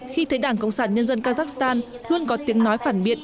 khi thấy đảng cộng sản nhân dân kazakhstan luôn có tiếng nói phản biện